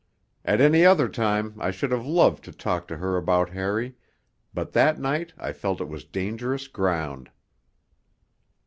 At any other time I should have loved to talk to her about Harry, but that night I felt it was dangerous ground.